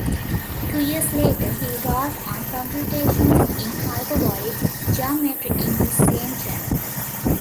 Two years later he wrote on computations in hyperbolic geometry in the same journal.